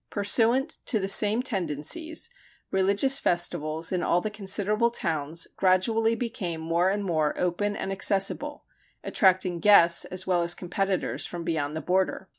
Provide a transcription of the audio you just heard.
Pursuant to the same tendencies, religious festivals in all the considerable towns gradually became more and more open and accessible, attracting guests as well as competitors from beyond the border.